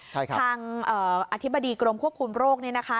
ทางอธิบดีกรมควบคุมโรคนี้นะคะ